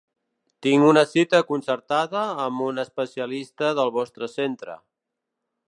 Tinc una cita concertada amb un especialista del vostre centre.